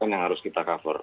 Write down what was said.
yang harus kita cover